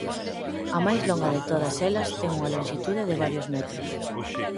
A máis longa de todas elas ten unha lonxitude de varios metros.